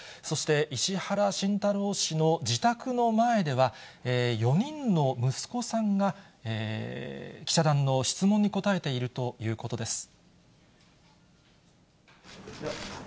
そして石原慎太郎氏の自宅の前では、４人の息子さんが記者団の質問に答えているということです。